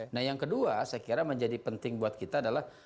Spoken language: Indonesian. nah yang kedua saya kira menjadi penting buat kita adalah